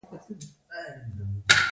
د مقالې محتوا باید د لیکوال خپل وي.